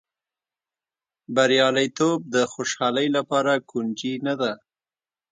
بریالیتوب د خوشالۍ لپاره کونجي نه ده.